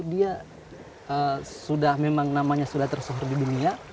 dia sudah memang namanya sudah tersuhur di dunia